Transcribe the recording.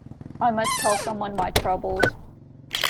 I must tell someone my troubles.